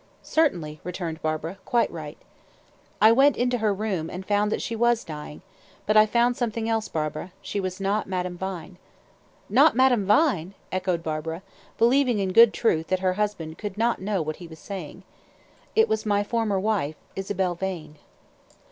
"Certainly," returned Barbara. "Quite right." "I went into her room, and I found that she was dying. But I found something else, Barbara. She was not Madame Vine." "Not Madame Vine!" echoed Barbara, believing in good truth that her husband could not know what he was saying. "It was my former wife, Isabel Vane."